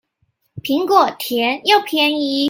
蘋果甜又便宜